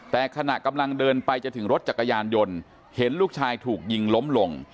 แต่ขณะกำลังเดินไปจะถึงรถจักรยานยนต์เห็นลูกชายถูกยิงล้มลง